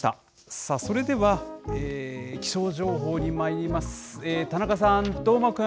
さあ、それでは気象情報にまいります。